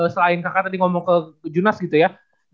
selain kakak tadi ngomong ke junas gitu ya